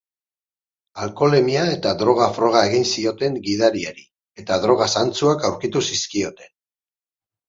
Alkoholemia eta droga-froga egin zioten gidariari eta droga zantzuak aurkitu zizkioten.